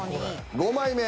５枚目。